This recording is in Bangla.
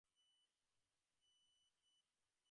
একা, কোনো সৈন্য না।